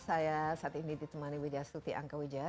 saya saat ini ditemani widya sulti angka widya